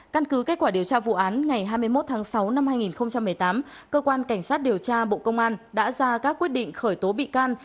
căn cứ kết quả điều tra vụ án ngày hai mươi một tháng sáu năm hai nghìn một mươi tám cơ quan cảnh sát điều tra bộ công an đã ra các quyết định khởi tố bị can